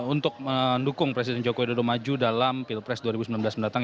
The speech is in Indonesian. untuk mendukung presiden joko widodo maju dalam pilpres dua ribu sembilan belas mendatang